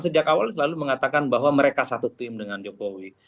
sejak awal selalu mengatakan bahwa mereka satu tim dengan jokowi